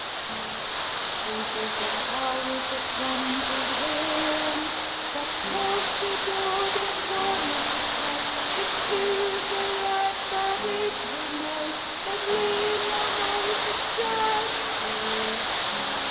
This is the cow with the crumpled horn that tossed the dog that wor ried the eat that killed the rat that ate the malt that lay in the house that Jack built.